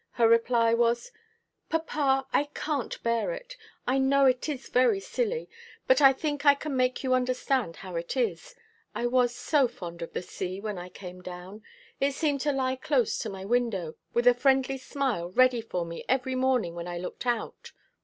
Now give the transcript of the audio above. Her reply was: "Papa, I can't bear it. I know it is very silly; but I think I can make you understand how it is: I was so fond of the sea when I came down; it seemed to lie close to my window, with a friendly smile ready for me every morning when I looked out.